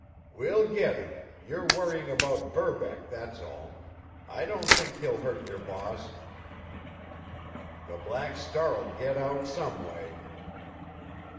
"We'll get him—you're worrying about Verbeck, that's all. I don't think he'll hurt your boss." "The Black Star'll get out some way!"